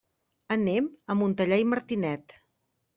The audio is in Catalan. Anem a Montellà i Martinet.